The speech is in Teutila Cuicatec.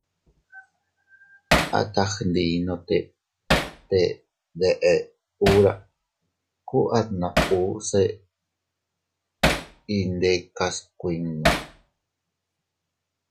At a gndinote te deʼe hura, ku atna uu se iyndekas kuinnu.